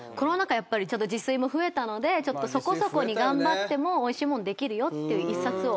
やっぱり自炊も増えたのでそこそこに頑張ってもおいしい物できるよっていう一冊を。